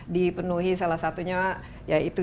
dipenuhi salah satunya ya itu